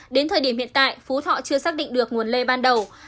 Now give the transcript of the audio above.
đến thời điểm hiện tại phú thọ chưa xác định được nguồn lây ban đầu